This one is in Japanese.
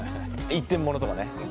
一点物とかね。